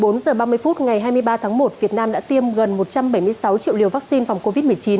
đến một mươi bốn h ba mươi phút ngày hai mươi ba tháng một việt nam đã tiêm gần một trăm bảy mươi sáu triệu liều vaccine phòng covid một mươi chín